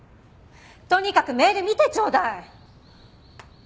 とにかくメール見てちょうだい！